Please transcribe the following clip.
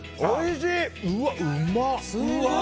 うわっ、うまっ！